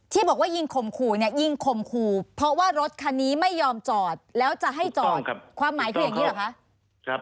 บอกว่ายิงข่มขู่เนี่ยยิงข่มขู่เพราะว่ารถคันนี้ไม่ยอมจอดแล้วจะให้จอดความหมายคืออย่างนี้เหรอคะ